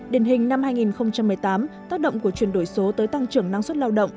điển hình năm hai nghìn một mươi tám tác động của chuyển đổi số tới tăng trưởng năng suất lao động